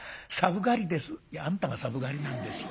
「いやあんたが寒がりなんですよ。